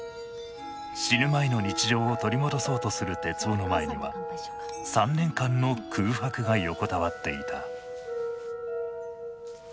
死ぬ前の日常を取り戻そうとする徹生の前には３年間の空白が横たわっていた。